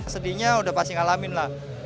sedihnya udah pasti ngalamin lah